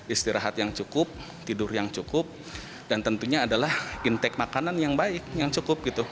istirahat yang cukup tidur yang cukup dan tentunya adalah intake makanan yang baik yang cukup gitu